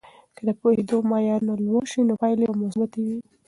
که د پوهیدو معیارونه لوړ سي، نو پایلې به مثبتې وي.